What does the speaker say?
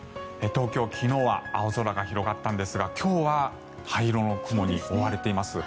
東京、昨日は青空が広がったんですが今日は灰色の雲に覆われています。